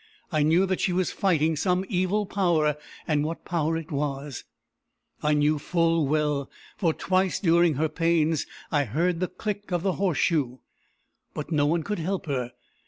I knew that she was fighting some evil power; and what power it was, I knew full well; for twice, during her pains, I heard the click of the horseshoe. But no one could help her.